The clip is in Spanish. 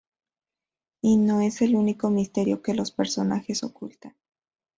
Y no es el único misterio que los personajes ocultan.